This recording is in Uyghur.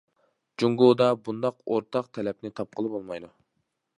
جۇڭگودا بۇنداق ئورتاق تەلەپنى تاپقىلى بولمايدۇ.